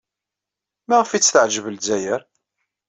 Maɣef ay tt-teɛjeb Lezzayer?